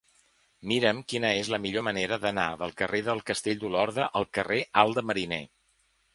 Mira'm quina és la millor manera d'anar del carrer del Castell d'Olorda al carrer Alt de Mariner.